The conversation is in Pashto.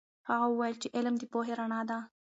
هغه وویل چې علم د پوهې رڼا ده.